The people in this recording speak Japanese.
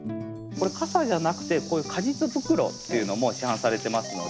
かさじゃなくてこういう果実袋っていうのも市販されてますので。